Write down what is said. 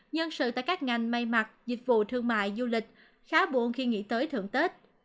nhân sự tại các ngành may mặc dịch vụ thương mại du lịch khá buồn khi nghĩ tới thưởng tết